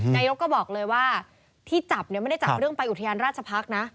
นายกก็บอกเลยว่าที่จับเนี่ยไม่ได้จับเรื่องไปอุทยานราชพักษ์นะ